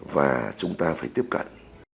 và chúng ta phải tiếp cận